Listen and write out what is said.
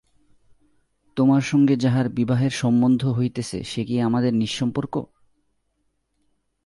তোমার সঙ্গে যাহার বিবাহের সম্বন্ধ হইতেছে সে কি আমাদের নিঃসম্পর্ক?